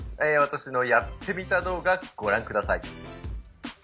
私のやってみた動画ご覧下さい。